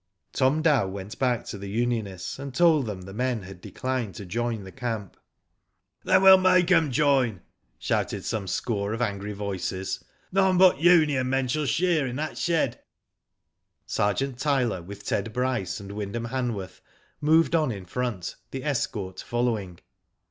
Tom Dow went back to the unionists and told them the men had declined to join the camp. "Then we'll make 'em join," shouted some score of angry voices. " None but union men shall shear in that shed." Sergeant Tyler with Ted Bryce and Wyndham Hanworth moved on in front, the escort following.